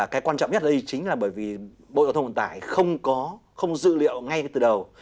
cái quan trọng nhất là đây chính là bởi vì bộ dân vận tài không có không dữ liệu ngay từ đầu